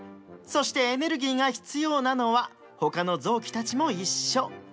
そしてエネルギーが必要なのはほかのぞうきたちもいっしょ！